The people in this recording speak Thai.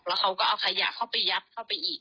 แล้วเขาก็เอาขยะเข้าไปยัดเข้าไปอีก